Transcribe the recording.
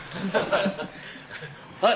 はい！